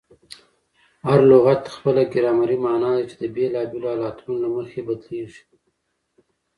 هر لغت خپله ګرامري مانا لري، چي د بېلابېلو حالتونو له مخه بدلېږي.